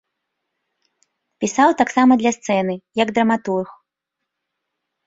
Пісаў таксама для сцэны, як драматург.